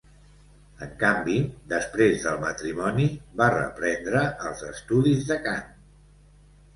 En canvi, després del matrimoni va reprendre els estudis de cant.